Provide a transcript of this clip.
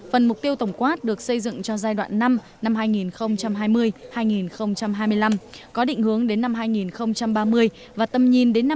phần mục tiêu tổng quát được xây dựng cho giai đoạn năm năm hai nghìn hai mươi hai nghìn hai mươi năm có định hướng đến năm hai nghìn ba mươi và tầm nhìn đến năm hai nghìn năm mươi